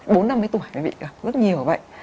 bốn năm tuổi thì bị rất nhiều bệnh